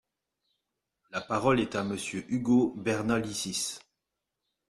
La parole est à Monsieur Ugo Bernalicis.